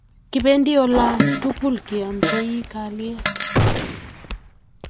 kibendi oldo tugul keomtei kalyet